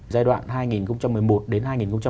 giai đoạn hai nghìn một mươi một đến hai nghìn hai mươi